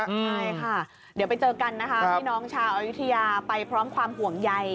ใช่ค่ะเดี๋ยวไปเจอกันนะคะพี่น้องชาวอยุธยาไปพร้อมความห่วงใย